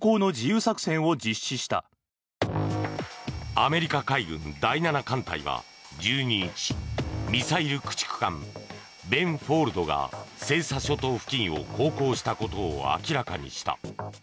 アメリカ海軍第７艦隊は１２日ミサイル駆逐艦「ベンフォールド」が西沙諸島付近を航行したことを明らかにした。